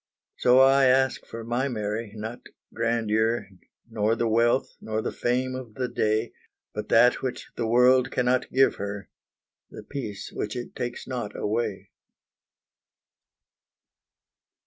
So I ask for my Mary, not grandeur, Nor the wealth, nor the fame of the day, But that which the world cannot give her, The peace which it takes not away.